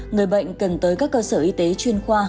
người bệnh cần tới các cơ sở y tế chuyên khoa